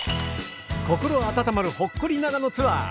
心温まるほっこり長野ツアー